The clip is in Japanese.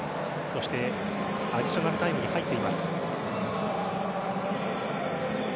そしてアディショナルタイムに入っています。